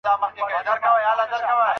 الله تعالی به ئې حتمي جنت ته داخل کړي.